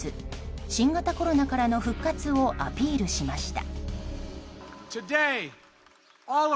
新型コロナからの復活をアピールしました。